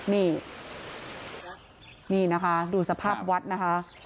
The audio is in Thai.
นี่นี่นะคะดูสภาพวัดนะคะ